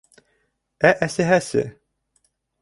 Ә әсәһесе?